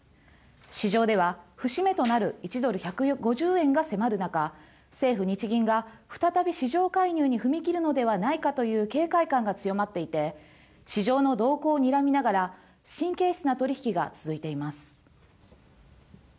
市場では節目となる１ドル１５０円が迫る中、政府・日銀が再び市場介入に踏み切るのではないかという警戒感が強まっていて市場の動向をにらみながら神経質な取り引きが続いています。